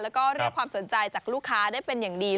แล้วก็เรียกความสนใจจากลูกค้าได้เป็นอย่างดี